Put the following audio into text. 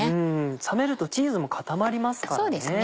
冷めるとチーズも固まりますからね。